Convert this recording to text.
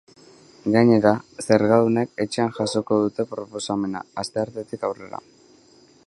Gainera, zergadunek etxean jasoko dute proposamena asteartetik aurrera.